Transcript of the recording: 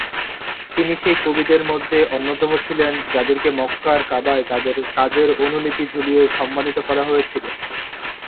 তিনি সেই কবিদের মধ্যে অন্যতম ছিলেন যাদেরকে মক্কার কাবায় তাদের কাজের অনুলিপি ঝুলিয়ে সম্মানিত করা হয়েছিল।